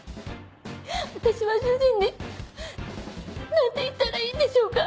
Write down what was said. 私は主人に何て言ったらいいんでしょうか。